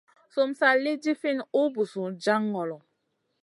Sum sa lì ɗifinʼ ùh busun jaŋ ŋolo.